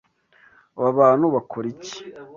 Aba bantu bakora iki?